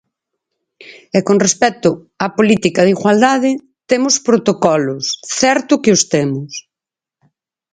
E con respecto á política de igualdade, temos protocolos, certo que os temos.